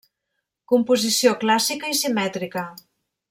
Composició clàssica i simètrica.